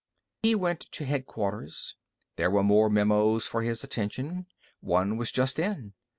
He went to Headquarters. There were more memos for his attention. One was just in.